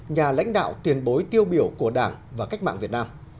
nhà lãnh đạo tiền bối tiêu biểu của đảng và cách mạng việt nam